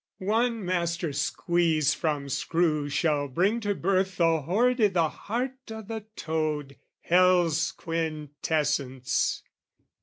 One master squeeze from screw shall bring to birth The hoard i' the heart o' the toad, hell's quintessence.